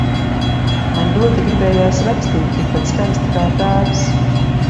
Man ļoti gribējās rakstīt tikpat skaisti, kā tēvs.